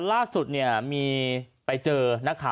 ล่าสุดเนี่ยมีไปเจอนะค่ะ